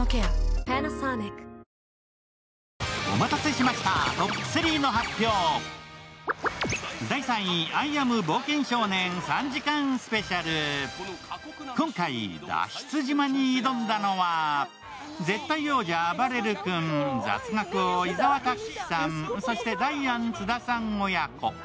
演じる早智に呼び出され今回、脱出島に挑んだのは、絶対王者・あばれる君、雑学王・伊沢拓司さん、そしてダイアン津田さん親子。